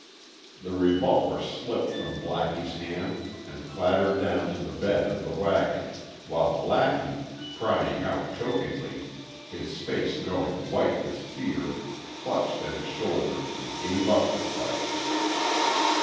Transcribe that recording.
The revolver slipped from Blackie's hand and clattered down to the bed of the wagon while Blackie, crying out chokingly, his face going white with fear, clutched at his shoulder and gave up the fight.